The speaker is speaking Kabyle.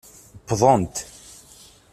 Wwḍent.